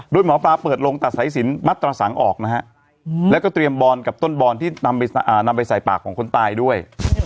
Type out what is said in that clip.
โดยหมอปลาเปิดลงตัดสายสินมัตตระสังออกนะฮะแล้วก็เตรียมบอลกับต้นบอนที่นำไปใส่ปากของคนตายด้วย